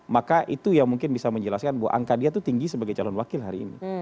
maka itu yang mungkin bisa menjelaskan bahwa angka dia itu tinggi sebagai calon wakil hari ini